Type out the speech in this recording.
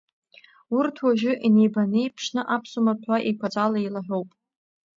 Урҭ уажәы инеибанеиԥшны аԥсуа маҭәа еиқәаҵәала еилаҳәоуп.